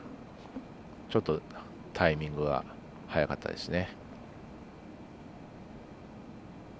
ちょっとタイミングが早かったですね。